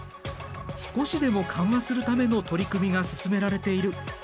少しでも緩和するための取り組みが進められている。